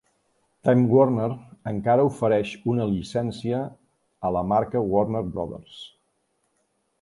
Time Warner encara ofereix una llicència a la marca Warner Brothers.